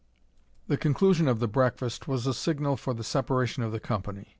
The conclusion of the breakfast was a signal for the separation of the company.